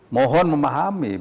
mohon memahami ya